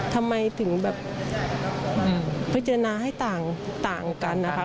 ทำไมถึงแบบพิจารณาให้ต่างกันนะคะ